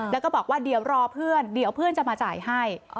แล้วก็บอกว่าเดี๋ยวรอเพื่อนเดี๋ยวเพื่อนจะมาจ่ายให้